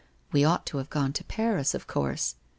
We ought to have gone to Paris, of course.